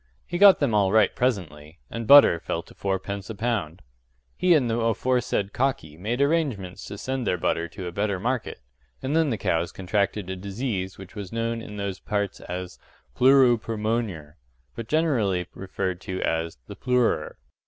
He got them all right presently and butter fell to fourpence a pound. He and the aforesaid cocky made arrangements to send their butter to a better market; and then the cows contracted a disease which was known in those parts as “plooro permoanyer,” but generally referred to as “th' ploorer.